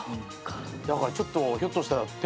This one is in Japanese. だからちょっとひょっとしたら。